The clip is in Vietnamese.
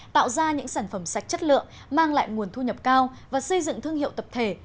tạo ra những sản phẩm sạch chất lượng mang lại nguồn thu nhập cao và xây dựng thương hiệu tập thể